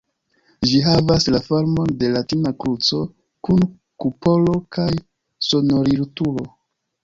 Ĝi havas la formon de latina kruco, kun kupolo kaj sonorilturo.